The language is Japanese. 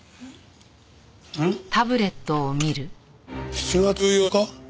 ７月８日？